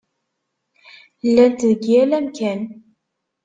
Llant deg yal amkan.